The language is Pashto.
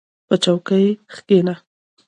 • په چوکۍ کښېنه.